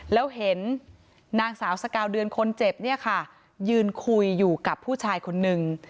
แล้วเห็นนางสาวสกาวเดือนคนเจ็บเนี่ยค่ะยืนคุยอยู่กับผู้ชายคนนึง